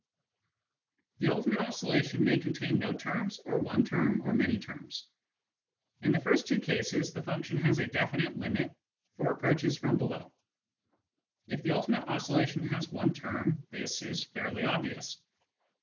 The ultimate oscillation may contain no terms, or one term, or many terms. In the first two cases the function has a definite limit for approaches from below. If the ultimate oscillation has one term, this is fairly obvious.